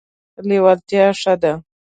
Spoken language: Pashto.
لیوالتیا ښه ده.